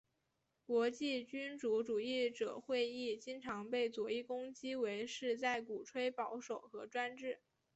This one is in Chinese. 国际君主主义者会议经常被左翼攻击为是在鼓吹保守和专制。